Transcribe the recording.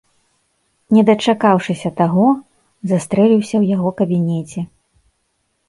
Не дачакаўшыся таго, застрэліўся ў яго кабінеце.